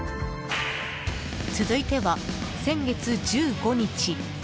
続いては、先月１５日。